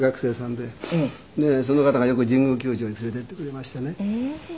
でその方がよく神宮球場に連れていってくれましてね。